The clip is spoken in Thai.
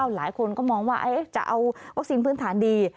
หลายคนก็มองว่าจะเอาวัคซีนพื้นฐานดี